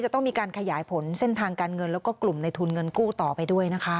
ต้องมีการขยายผลเส้นทางการเงินแล้วก็กลุ่มในทุนเงินกู้ต่อไปด้วยนะคะ